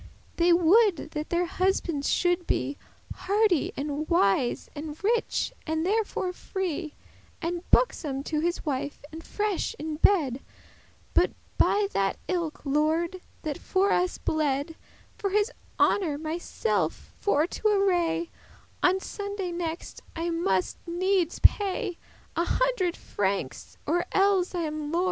They woulde that their husbands shoulde be Hardy,* and wise, and rich, and thereto free, *brave And buxom* to his wife, and fresh in bed. *yielding, obedient But, by that ilke* Lord that for us bled, *same For his honour myself for to array, On Sunday next I muste needes pay A hundred francs, or elles am I lorn.